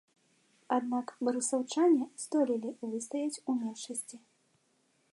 Аднак барысаўчане здолелі выстаяць у меншасці.